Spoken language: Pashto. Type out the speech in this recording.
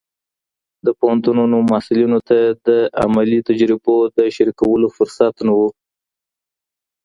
د پوهنتونونو محصلینو ته د عملي تجربو د شریکولو فرصت نه و.